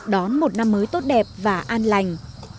đón một năm mới tốt đẹp và an lành